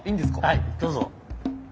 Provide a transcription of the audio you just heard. はいどうぞ。